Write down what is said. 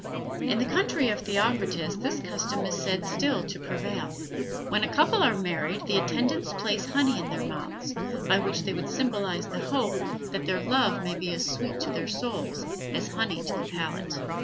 In the country of Theocritus this custom is said still to prevail: when a couple are married the attendants place honey in their mouths, by which they would symbolize the hope that their love may be as sweet to their souls as honey to the palate.